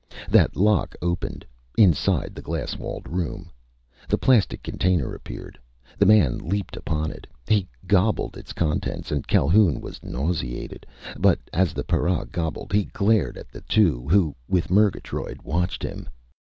That lock opened, inside the glass walled room. The plastic container appeared. The man leaped upon it. He gobbled its contents, and Calhoun was nauseated. But as the para gobbled, he glared at the two who with Murgatroyd watched him.